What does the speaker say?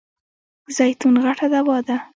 زیتون غټه دوا ده .